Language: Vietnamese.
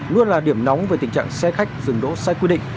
luôn là điểm nóng về tình trạng xe khách dừng đỗ sai quy định